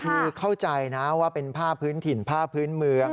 คือเข้าใจนะว่าเป็นผ้าพื้นถิ่นผ้าพื้นเมือง